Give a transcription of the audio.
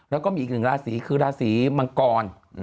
แล้วก็มีอีกหนึ่งราศีคือราศีมังกร